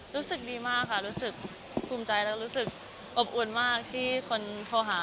รู้สึกดีมากค่ะรู้สึกภูมิใจและรู้สึกอบอุ่นมากที่คนโทรหา